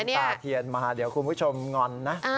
ตาเทียนมาเดี๋ยวคุณผู้ชมงอนนะ